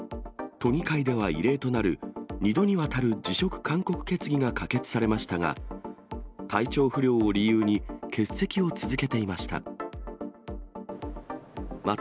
都議会では異例となる、２度にわたる辞職勧告決議が可決されましたが、体調不良を理由に、欠席を続けていました。